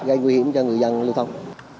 gây nguy hiểm cho người dân lưu thông